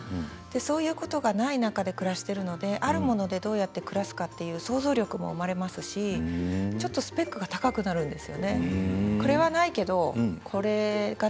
そういうことがない中で暮らしているのであるものでどうやって暮らしていくかという想像力もできますしスペックが高くなります。